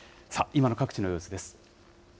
今の各地の様子です。